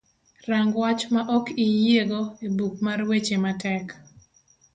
rang' wach ma ok iyiego e buk mar weche matek